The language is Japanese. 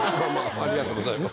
ありがとうございます。